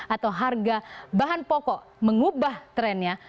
atau harga bahan pokok mengubah trennya